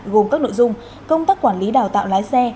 gồm các nội dung công tác quản lý đào tạo lái xe